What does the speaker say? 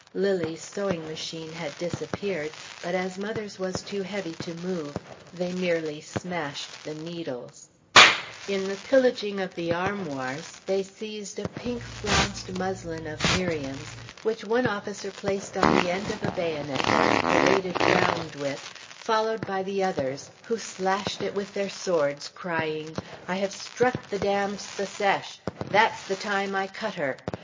Lilly's sewing machine had disappeared; but as mother's was too heavy to move, they merely smashed the needles. [Illustration: SARAH FOWLER Sully's portrait of Mrs. Morgan] In the pillaging of the armoirs, they seized a pink flounced muslin of Miriam's, which one officer placed on the end of a bayonet, and paraded round with, followed by the others who slashed it with their swords crying, "I have stuck the damned Secesh! that's the time I cut her!"